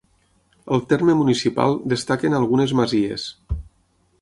Al terme municipal destaquen algunes masies.